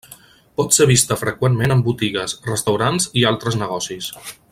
Pot ser vista freqüentment en botigues, restaurants i altres negocis.